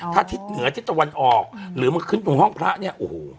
ถ้าทิศเหนือทิศตะวันออกหรือมาขึ้นตรงห้องพระเนี่ยโอ้โห